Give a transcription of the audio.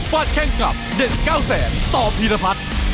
ดแข้งกับเด่นเก้าแสนต่อพีรพัฒน์